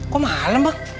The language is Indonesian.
kok malem bang